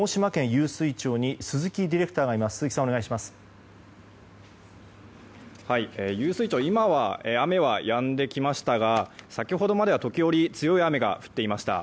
湧水町今は雨はやんできましたが先ほどまでは時折強い雨が降っていました。